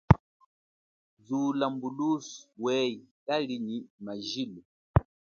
Zula mbulusu weye kali nyi majilo.